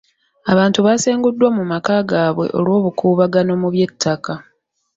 Abantu basenguddwa mu maka gaabwe olw'obukuubagano mu by'ettaka.